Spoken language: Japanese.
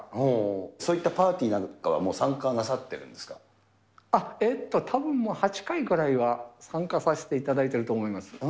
そういったパーティーなんかえっと、たぶんもう８回くらいは、参加させていただいてると思います。